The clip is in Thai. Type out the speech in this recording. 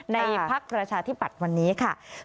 ในพักราชาธิบัตรวันนี้ค่ะ